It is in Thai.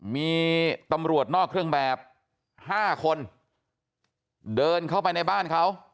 มีตำรวจนอกเครื่องแบบ๕คนเดินเข้าไปในบ้านเขา